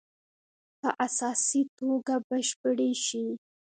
په اساسي توګه بشپړې شي.